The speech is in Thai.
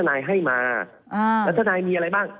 แล้วท่านายมีอะไรบ้าง